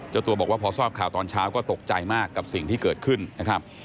เจ้าตัวบอกว่าพอทราบข่าวตอนเช้าก็ตกใจมากกับสิ่งที่เกิดขึ้นนะครับ